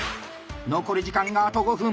残り時間はあと５分！